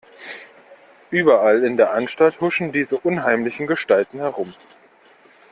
Überall in der Anstalt huschen diese unheimlichen Gestalten herum.